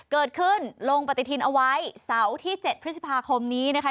ลงปฏิทินเอาไว้เสาร์ที่๗พฤษภาคมนี้นะคะ